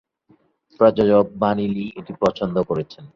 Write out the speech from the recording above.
প্রযোজক Bunny Lee এটা পছন্দ করছেন।